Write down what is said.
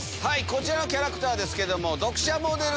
こちらのキャラクターですけど。